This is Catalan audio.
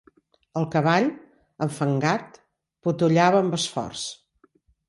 El cavall, enfangat, potollava amb esforç.